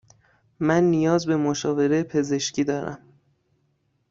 من نیاز به مشاوره پزشکی دارم.